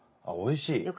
おいしい。